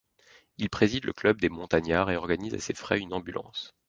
Il préside le Club des Montagnards et organise à ses frais une ambulance.